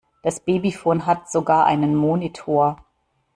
Das Babyfon hat sogar einen Monitor.